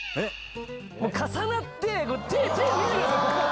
重なって手見てください。